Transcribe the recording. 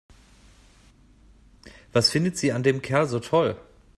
Was findet sie an dem Kerl so toll?